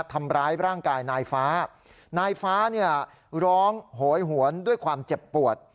ทำร้ายร่างกายนายฟ้านายฟ้าเนี่ยร้องโหยหวนด้วยความเจ็บปวด